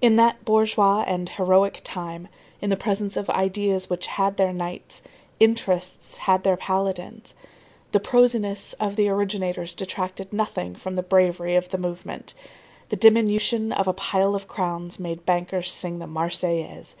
In that bourgeois and heroic time, in the presence of ideas which had their knights, interests had their paladins. The prosiness of the originators detracted nothing from the bravery of the movement. The diminution of a pile of crowns made bankers sing the Marseillaise.